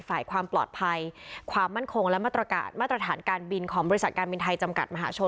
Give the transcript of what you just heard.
ฝ่ายความปลอดภัยความมั่นคงและมาตรฐานการบินของบริษัทการบินไทยจำกัดมหาชน